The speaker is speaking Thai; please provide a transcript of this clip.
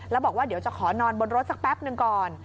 แล้วบอกว่าเดี๋ยวจะขอนอนบนรถสักแป๊บหนึ่งก่อน